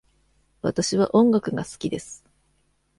わたしは音楽がすきです。